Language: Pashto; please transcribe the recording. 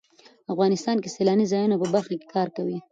افغانستان د سیلاني ځایونو په برخه کې کار کوي.